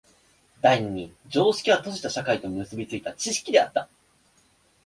第二に常識は閉じた社会と結び付いた知識であった。